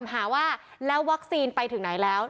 หาว่าแล้ววัคซีนไปถึงไหนแล้ว